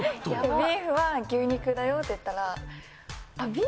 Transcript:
ビーフは牛肉だよって言ったら。